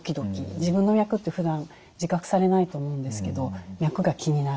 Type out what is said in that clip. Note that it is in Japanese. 自分の脈ってふだん自覚されないと思うんですけど脈が気になる。